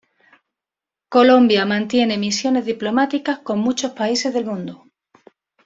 Colombia mantiene misiones diplomáticas con muchos países del mundo.